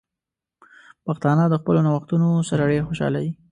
پښتانه د خپلو نوښتونو سره ډیر خوشحال دي.